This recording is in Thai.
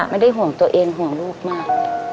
ไม่ได้ห่วงตัวเองห่วงลูกมาก